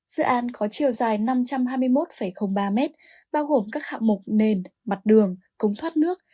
dự án có chiều dài năm trăm hai mươi một ba mét bao gồm các hạng mục nền mặt đường cống thoát nước